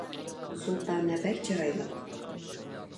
سۇلتانە بەك چىرايلىق